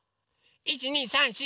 １２３４５。